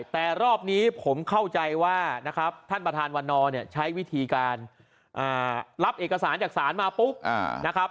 แต่รอบนี้ผมเข้าใจว่านะครับท่านประธานวันนอร์เนี่ยใช้วิธีการรับเอกสารจากศาลมาปุ๊บนะครับ